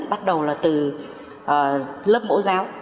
bắt đầu là từ lớp mẫu giáo